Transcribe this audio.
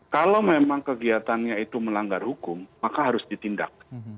kalau memang kegiatannya itu melanggar hukum maka harus ditindak